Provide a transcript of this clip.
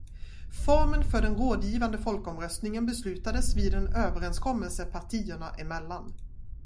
Formen för den rådgivande folkomröstningen beslutades vid en överenskommelse partierna emellan.